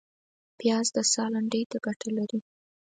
پیاز د ساه لنډۍ ته ګټه لري